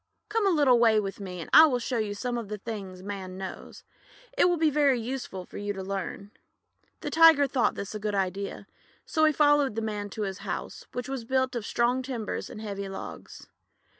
Come a little way with me, and I will show you some of the things Man knows. It will be very useful for you to learn." The Tiger thought this a good idea, so he followed the Man to his house, which was built of strong timbers and heavy logs.